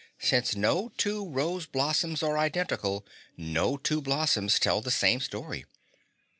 Since no two rose blossoms are identical, no two blossoms tell the same story.